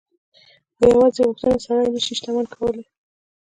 خو يوازې غوښتنه سړی نه شي شتمن کولای.